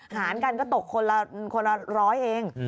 หารกันก็ตกคนละร้อยเอง